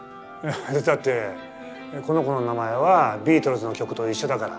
だってこの子の名前はビートルズの曲と一緒だから。